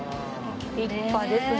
立派ですね。